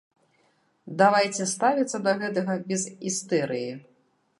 Давайце ставіцца да гэтага без істэрыі.